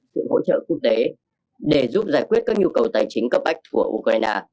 tiếp tục huy động sự hỗ trợ quốc tế để giúp giải quyết các nhu cầu tài chính cấp ách của ukraine